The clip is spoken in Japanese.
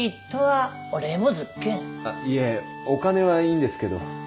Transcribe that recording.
いえお金はいいんですけど。